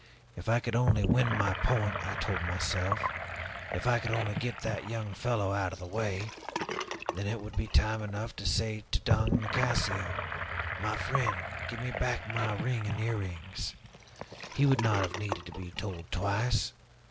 If I could only win my point, I told myself, if I could only get that young fellow out of the way, then it would be time enough to say to Don Nicasio, 'My friend, give me back my ring and my earrings!' He would not have needed to be told twice.